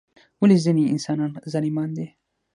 ولی ځینی انسانان ظالمان دي؟